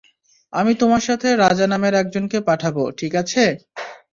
আমি তোমার সাথে রাজা নামের একজন কে পাঠাব, ঠিক আছে?